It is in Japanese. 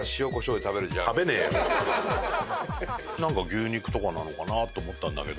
なんか牛肉とかなのかなって思ったんだけど。